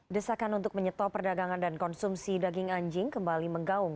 desakan untuk menyetop perdagangan dan konsumsi daging anjing kembali menggaung